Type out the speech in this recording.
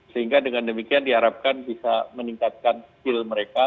sehingga dengan demikian diharapkan bisa meningkatkan skill mereka